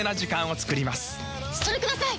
それください！